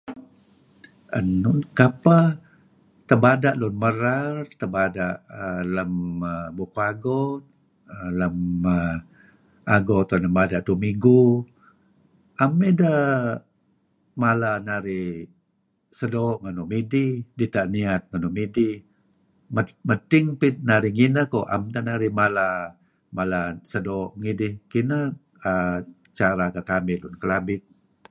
Enun kapeh tebada' lun merar uhm lem err Bukuh Ago, lem Ago nuk tuen deh mada' Edto Migu 'am ideh mala narih sedoo' ngen nuk midih, dita' niat ngen nuk midih medting narih ngineh kah 'am narih mala mala sedoo' ngidih. Kineh uhm cara kekamih Lun Kelabit.